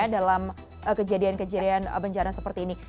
dalam kejadian kejadian bencana seperti ini